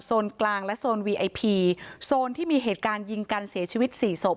กลางและโซนวีไอพีโซนที่มีเหตุการณ์ยิงกันเสียชีวิตสี่ศพ